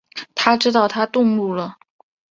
他知道她动怒了